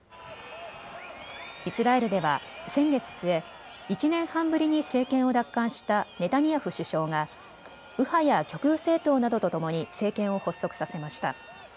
イスラエルでは先月末、１年半ぶりに政権を奪還したネタニヤフ首相が右派や極右政党などとともに政権を発足させました。